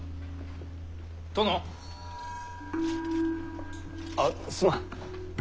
殿？あすまん。